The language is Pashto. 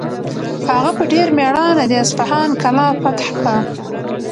هغه په ډېر مېړانه د اصفهان کلا فتح کړه.